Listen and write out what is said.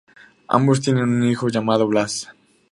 Ambos tienen un hijo llamado Blas.